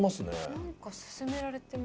何か勧められてます？